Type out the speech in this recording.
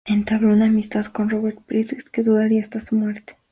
Entabló una amistad con Robert Bridges que duraría hasta su muerte.